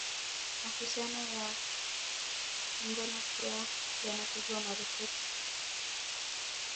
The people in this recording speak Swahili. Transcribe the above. Mahusiano ya kingono pia yanapigwa marufuku